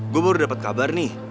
gue baru dapet kabar nih